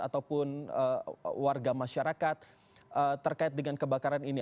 ataupun warga masyarakat terkait dengan kebakaran ini